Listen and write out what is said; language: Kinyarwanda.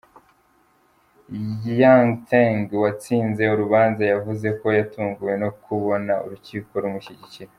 Yang Teng watsinze urubanza yavuze ko yatunguwe no kubona urukiko rumushyigikira.